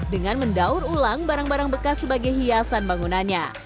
dengan mendaur ulang barang barang bekas sebagai hiasan bangunannya